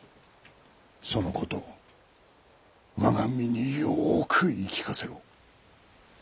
そのこと我が身によく言い聞かせろ。